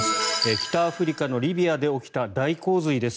北アフリカのリビアで起きた大洪水です。